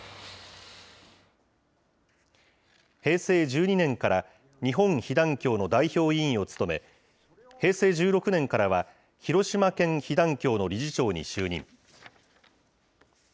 平成１２年から、日本被団協の代表委員を務め、平成１６年からは、広島県被団協の理事長に就任。